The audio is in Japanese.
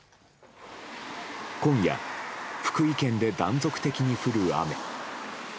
今夜、福井県で断続的に降る雨。